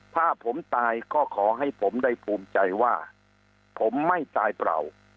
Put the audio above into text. ถ้าผมตายก็ขอให้ผมได้ภูมิใจว่าผมไม่ตายเปล่า